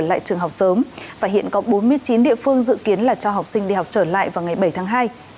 trở lại trường học sớm và hiện có bốn mươi chín địa phương dự kiến là cho học sinh đi học trở lại vào ngày bảy tháng hai